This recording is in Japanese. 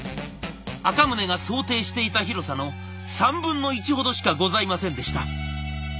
赤宗が想定していた広さの３分の１ほどしかございませんでした。